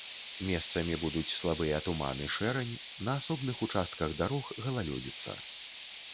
Месцамі будуць слабыя туман і шэрань, на асобных участках дарог галалёдзіца.